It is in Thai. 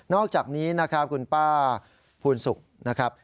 อกจากนี้นะครับคุณป้าภูลศุกร์นะครับ